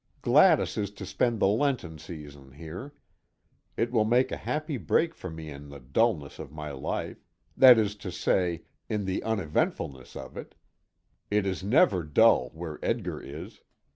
Gladys is to spend the Lenten season here. It will make a happy break for me in the dullness of my life that is to say, in the uneventfulness of it; it is never dull where Edgar is.